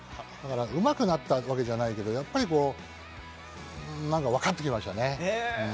だからうまくなったわけじゃないけど、わかってきましたね。